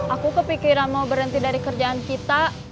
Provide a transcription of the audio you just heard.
aku kepikiran mau berhenti dari kerjaan kita